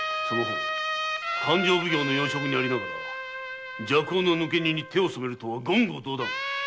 勘定奉行の要職にありながら麝香の抜け荷に手を染めるとは言語道断！